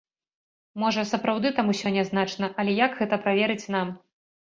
Можа, сапраўды там усё нязначна, але як гэта праверыць нам?